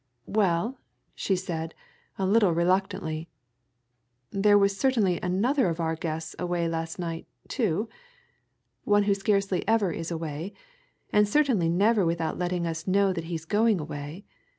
"Well," she said, a little reluctantly, "there was certainly another of our guests away last night, too one who scarcely ever is away, and certainly never without letting us know that he's going away.